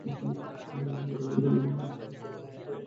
আমি উড়াউড়ি পুরোপুরি শিখে ফেলেছি!